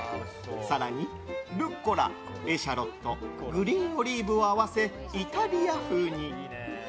更に、ルッコラ、エシャロットグリーンオリーブを合わせイタリア風に。